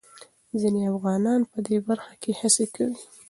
ځينې افغانان په دې برخه کې هڅې کوي.